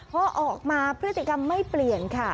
พอออกมาพฤติกรรมไม่เปลี่ยนค่ะ